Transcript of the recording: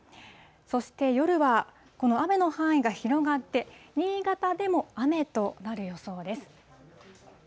そして夜は、この雨の範囲が広がって、新潟でも雨となる予想です。